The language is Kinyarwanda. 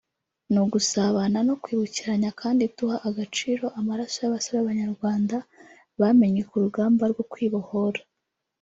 ni ugusabana no kwibukiranya kandi duha agaciro amaraso y’abasore b’Abanyarwanda bamennye ku rugamba rwo kwibohora